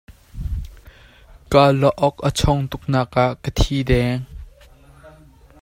Ka awlok a chon tuk nak ah ka thi deng.